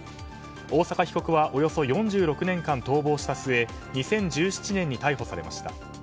大坂被告はおよそ４６年間逃亡した末２０１７年に逮捕されました。